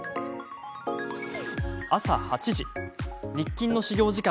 朝８時。